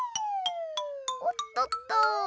おっとっと。